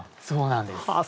そうなんです。